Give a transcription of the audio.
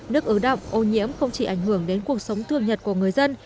nước ứ động ô nhiễm không chỉ ảnh hưởng đến cuộc sống thường nhật của người dân